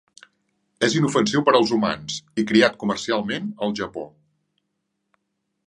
És inofensiu per als humans i criat comercialment al Japó.